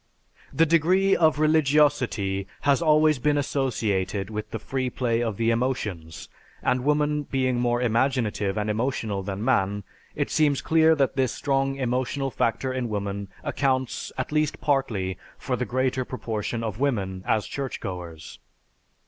The degree of religiosity has always been associated with the free play of the emotions and woman being more imaginative and emotional than man, it seems clear that this strong emotional factor in woman accounts, at least partly, for the greater proportion of women as churchgoers.